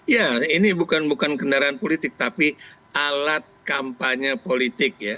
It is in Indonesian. ya ini bukan bukan kendaraan politik tapi alat kampanye politik ya